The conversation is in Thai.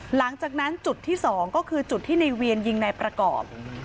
หลังจากนั้นจุดที่๒ก็คือจุดที่ในเวียนยิงนายประกอบ